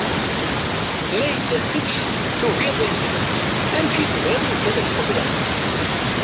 Ma yella kečč tugiḍ-iyi, amek i tebɣiḍ nekk ad k-qebleɣ.